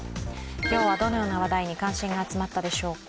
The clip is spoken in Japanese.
今日はどのような話題に関心が集まったでしょうか。